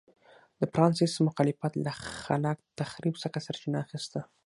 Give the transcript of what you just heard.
د فرانسیس مخالفت له خلاق تخریب څخه سرچینه اخیسته.